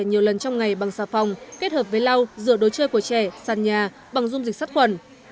nhiều lần trong ngày bằng xà phòng kết hợp với lau rửa đồ chơi của trẻ sàn nhà bằng dung dịch sát khuẩn